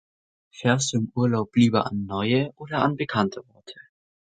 Fährst du im Urlaub lieber an neue oder an bekannte Orte.